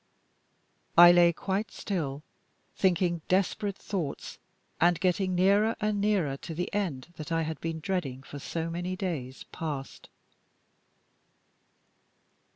I lay quite still, thinking desperate thoughts, and getting nearer and nearer to the end that I had been dreading for so many days past.